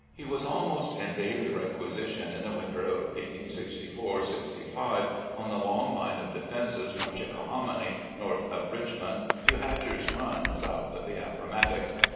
He was almost in daily requisition in the winter of 1864 65 on the long line of defenses from Chickahominy, north of Richmond, to Hatcher's Run, south of the Appomattox.